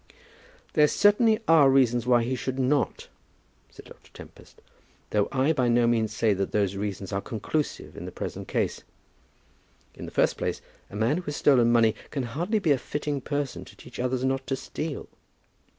"There certainly are reasons why he should not," said Dr. Tempest; "though I by no means say that those reasons are conclusive in the present case. In the first place, a man who has stolen money can hardly be a fitting person to teach others not to steal."